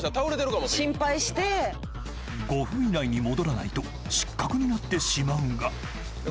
［５分以内に戻らないと失格になってしまうが］